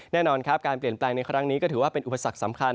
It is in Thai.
แน่นอนครับการเปลี่ยนแปลงในครั้งนี้ก็ถือว่าเป็นอุปสรรคสำคัญ